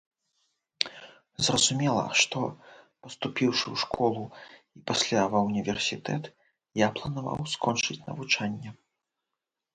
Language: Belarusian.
Зразумела, што, паступіўшы ў школу і пасля ва ўніверсітэт, я планаваў скончыць навучанне.